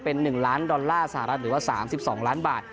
เป็น๑ล้านดอลลาร์สหรัฐหรือว่า๓๒ล้านบาท